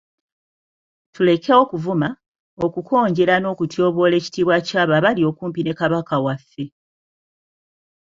Tuleke okuvuma, okukonjera n'okutyoboola ekitiibwa ky'abo abali okumpi ne Kabaka waffe.